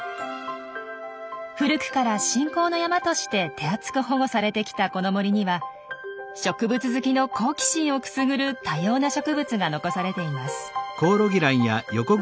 古くから信仰の山として手厚く保護されてきたこの森には植物好きの好奇心をくすぐる多様な植物が残されています。